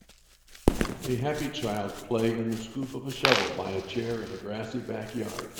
A happy child play in the scoop of a shovel by a chair in a grassy backyard.